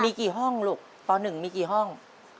มีกี่ห้องลูกตอนหนึ่งมีกี่ห้อง